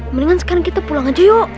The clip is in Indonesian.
mendingan sekarang kita pulang aja yuk